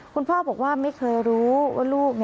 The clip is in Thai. คุณพ่อบอกว่าไม่เคยรู้ว่าลูก